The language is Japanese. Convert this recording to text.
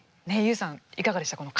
ＹＯＵさんいかがでした？